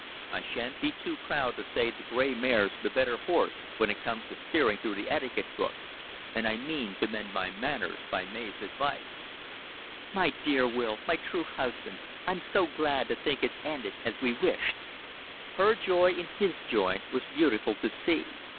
"I shan't be too proud to say the gray mare's the better horse when it comes to steering through the etiquette book, and I mean to mend my manners by Mav's advice." "My dear Will my true husband I'm so glad to think it's ended as we wished." Her joy in his joy was beautiful to see.